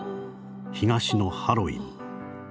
東のハロウィン。